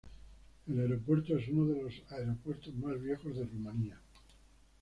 El aeropuerto es uno de los aeropuertos más viejos de Rumanía.